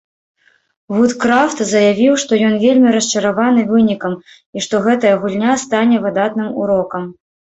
Вудкрафт заявіў, што ён вельмі расчараваны вынікам і што гэтая гульня стане выдатным урокам.